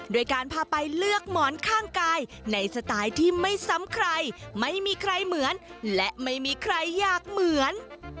ด้วยการพาไปเลือกหมอนข้างกายในสไตล์ที่ไม่ซ้ำใครไม่มีใครเหมือนและไม่มีใครอยากเหมือน